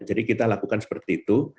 jadi kita lakukan seperti itu